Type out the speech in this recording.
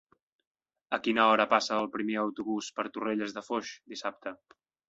A quina hora passa el primer autobús per Torrelles de Foix dissabte?